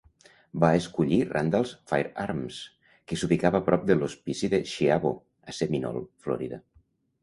Va escollir Randall's Firearms, que s'ubicava prop de l'hospici de Schiavo, a Seminole (Florida).